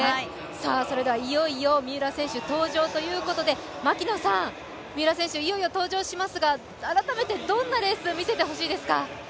いよいよ三浦選手登場ということで、槙野さん、三浦選手が登場しますが改めてどんなレースを見せてほしいですか？